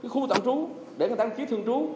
khu tạm trú để người ta đăng ký thương trú